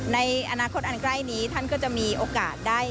ในอนาคตอันใกล้นี้ท่านก็จะมีโอกาสได้